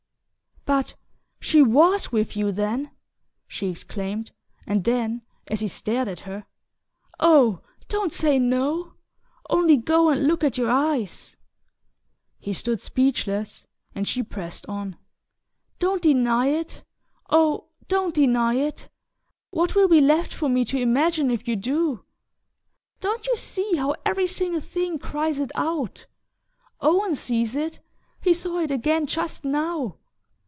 "But she WAS with you, then?" she exclaimed; and then, as he stared at her: "Oh, don't say no! Only go and look at your eyes!" He stood speechless, and she pressed on: "Don't deny it oh, don't deny it! What will be left for me to imagine if you do? Don't you see how every single thing cries it out? Owen sees it he saw it again just now!